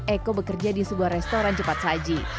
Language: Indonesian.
eko bekerja di sebuah restoran cepat saji